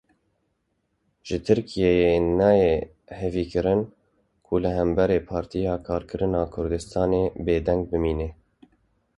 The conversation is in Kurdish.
Ji Tirkiyeyê nayê hêvîkirin ku li hember Partiya Karkerên Kurdistanê bêdeng bimîne.